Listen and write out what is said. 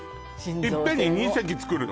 いっぺんに２隻造るの？